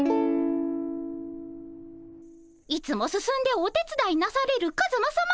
いつも進んでおてつだいなされるカズマさま